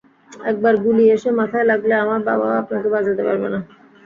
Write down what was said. একবার গুলি এসে মাথায় লাগলে, আমার বাবাও আপনাকে বাঁচাতে পারবে না।